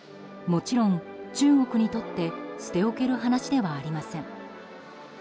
もちろん中国にとって捨て置ける話ではありません。